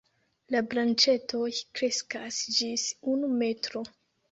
La branĉetoj kreskas ĝis unu metro.